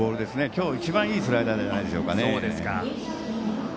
今日一番いいスライダーじゃないでしょうかね。